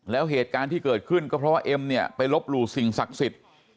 แล้วเหตุการณ์ที่เกิดขึ้นก็เพราะว่าเอ็มเนี่ยไปลบหลู่สิ่งศักดิ์สิทธิ์